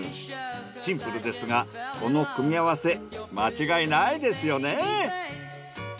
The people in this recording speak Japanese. シンプルですがこの組み合わせ間違いないですよね。